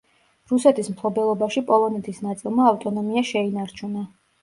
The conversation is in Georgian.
რუსეთის მფლობელობაში პოლონეთის ნაწილმა ავტონომია შეინარჩუნა.